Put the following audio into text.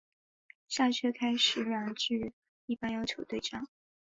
下阕开始两句一般要求对仗。